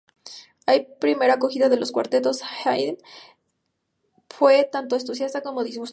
La primera acogida de los "Cuartetos "Haydn"" fue tanto entusiasta como disgustada.